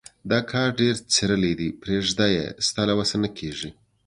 دا کار ډېر څيرلی دی. پرېږده يې؛ ستا له وسه نه کېږي.